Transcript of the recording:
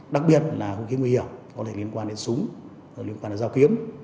đặc biệt là khung khí nguy hiểm có thể liên quan đến súng liên quan đến giao kiếm